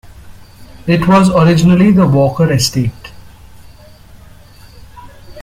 It was originally the Walker estate.